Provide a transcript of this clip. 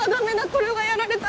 これはやられた。